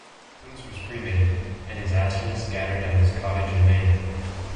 Coombs was cremated and his ashes scattered at his cottage in Maine.